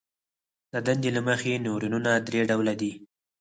د دندې له مخې نیورونونه درې ډوله دي.